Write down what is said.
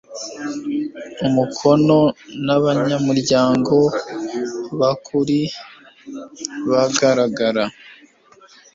umukono n abanyamuryango bakuri bagaragara